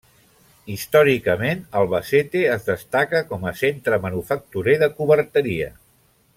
Històricament Albacete es destaca com a centre manufacturer de coberteria.